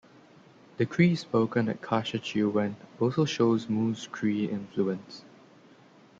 The Cree spoken at Kashechewan also shows Moose Cree influence.